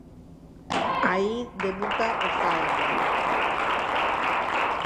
Aí debuta o sábado.